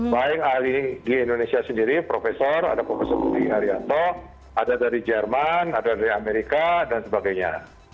baik ahli di indonesia sendiri profesor ada profesor budi haryanto ada dari jerman ada dari amerika dan sebagainya